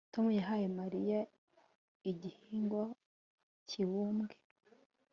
Tom yahaye Mariya igihingwa kibumbwe